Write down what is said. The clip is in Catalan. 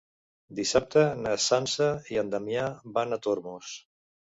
Dissabte na Sança i en Damià van a Tormos.